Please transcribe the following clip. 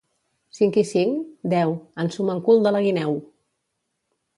—Cinc i cinc? —Deu. —Ensuma el cul de la guineu!